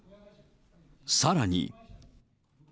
さらに。